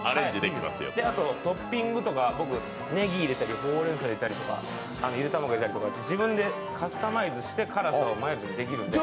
あとトッピングとかねぎ入れたりほうれんそう入れたりゆで卵入れたり、自分でカスタマイズして辛さをマイルドにできるので。